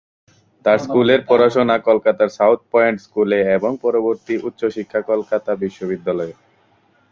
তার স্কুলের পড়াশোনা কলকাতার সাউথ পয়েন্ট স্কুলে এবং পরবর্তী উচ্চশিক্ষা কলকাতা বিশ্ববিদ্যালয়ে।